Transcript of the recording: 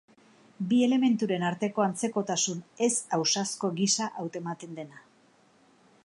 Bi elementuren arteko antzekotasun ez ausazko gisa hautematen dena.